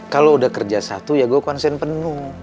kalau udah kerja satu ya gue konsen penuh